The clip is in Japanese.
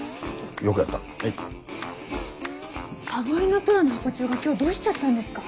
サボりのプロのハコ長が今日どうしちゃったんですか？